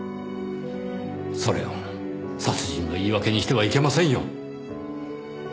それを殺人の言い訳にしてはいけませんよ。